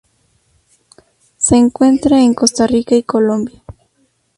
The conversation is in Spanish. Se encuentra en Costa Rica y Colombia.